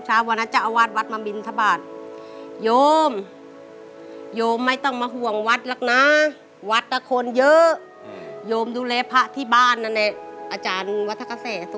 อาจารย์วัฒนกาแสสุขศาลบอกไม่ต้องมาทำบุญที่วัดหรอก